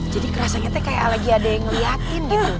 jadi kerasanya teh kayak lagi ada yang ngeliatin gitu